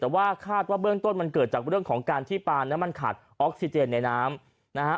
แต่ว่าคาดว่าเบื้องต้นมันเกิดจากเรื่องของการที่ปานนั้นมันขาดออกซิเจนในน้ำนะฮะ